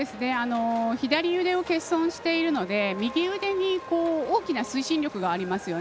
左腕を欠損しているので右腕に大きな推進力があります。